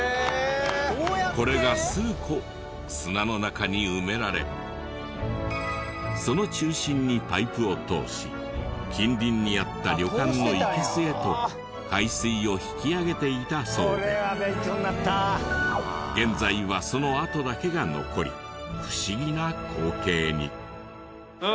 これが数個砂の中に埋められその中心にパイプを通し近隣にあった旅館の生け簀へと海水を引き揚げていたそうで現在はその跡だけが残り不思議な光景に。